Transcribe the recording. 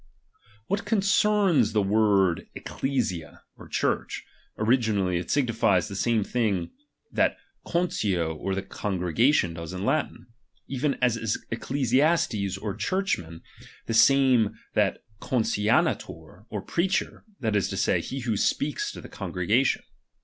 What concerns the word ecclesia, or Church, P"™ •*\ ^^ri^nally it signifies the same thing that conch or of a ciim ^ congregation does in Latin ; even as eccfesias ^es or churchman, the same that concionator or j)reaeher, that is to say, he who speaks to the con gregation.